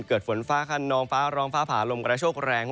เกิดฝนฟ้าคันนองฟ้ารองฟ้าผาลมกระโชคแรง